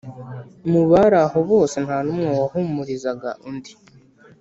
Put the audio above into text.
mubaraho bose ntanumwe wahumurizaga undi